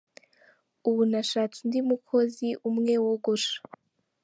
Ubu nashatse undi mukozi umwe wogosha.